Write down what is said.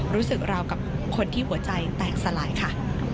รู้สึกราวกับคนที่หัวใจแตกสลายค่ะ